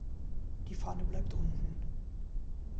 Die Fahne bleibt unten.